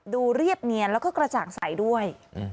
ดูเรียบเหนียนและกระจ่างใสด้วย